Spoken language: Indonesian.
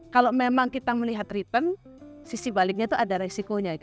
kalau memang kita melihat return sisi baliknya itu ada resikonya